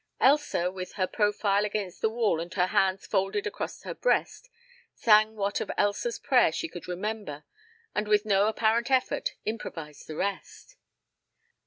Elsa, with her profile against the wall and her hands folded across her breast, sang what of Elsa's prayer she could remember and with no apparent effort improvised the rest.